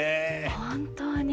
本当に。